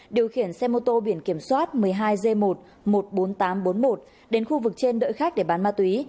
điều khiển xe mô tô biển kiểm soát một mươi hai g một một mươi bốn nghìn tám trăm bốn mươi một đến khu vực trên đợi khách để bán ma túy